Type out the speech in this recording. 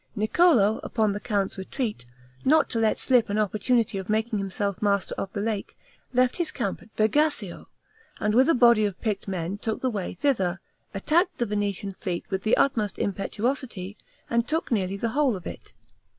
Niccolo, upon the count's retreat, not to let slip an opportunity of making himself master of the lake, left his camp at Vegasio, and with a body of picked men took the way thither, attacked the Venetian fleet with the utmost impetuosity, and took nearly the whole of it.